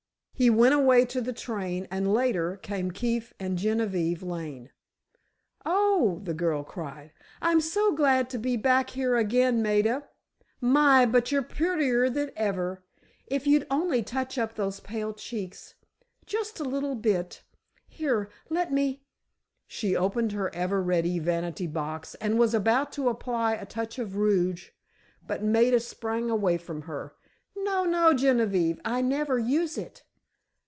He went away to the train, and later, came Keefe and Genevieve Lane. "Oh," the girl cried, "I'm so glad to be back here again, Maida. My, but you're prettier than ever! If you'd only touch up those pale cheeks—just a little bit—here, let me——" She opened her ever ready vanity box, and was about to apply a touch of rouge, but Maida sprang away from her. "No, no, Genevieve, I never use it."